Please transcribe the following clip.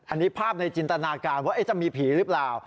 อันนี้ภาพในจินตนาการว่าจะมีผีหรือเปล่า